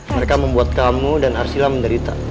mereka membuat kamu dan arsila menderita